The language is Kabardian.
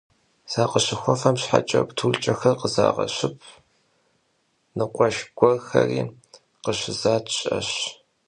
Sakhızerıxuefem şheç'e ptulhç'exer khızağeşıp; nıkhueşşx guerxeri khışızat şı'eş.